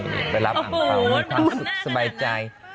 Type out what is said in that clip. สบายใจ